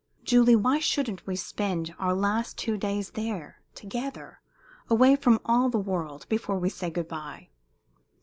Julie, why shouldn't we spend our last two days there together away from all the world, before we say good bye?